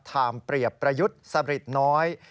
ถามเปรียบประยุทธ์สฤทธิ์น้อย